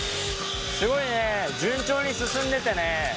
すごいね順調に進んでてね